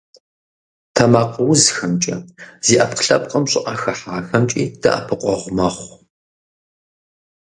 Тэмакъыузхэмкӏэ, зи ӏэпкълъэпкъым щӏыӏэ хыхьахэмкӏи дэӏэпыкъуэгъу мэхъу.